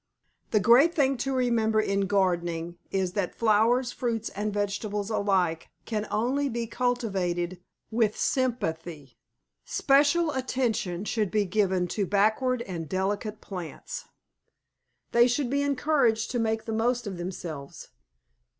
The great thing to remember in gardening is that flowers, fruits and vegetables alike can only be cultivated with sympathy. Special attention should be given to backward and delicate plants. They should be encouraged to make the most of themselves.